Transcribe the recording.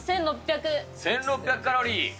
１６００カロリー。